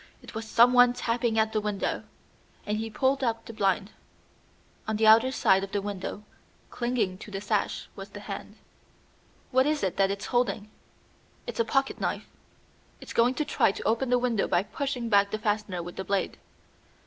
It was someone tapping at the window," and he pulled up the blind. On the outer side of the window, clinging to the sash, was the hand. "What is it that it's holding?" "It's a pocket knife. It's going to try to open the window by pushing back the fastener with the blade."